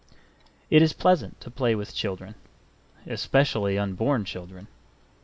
It is pleasant to play with children, especially unborn children.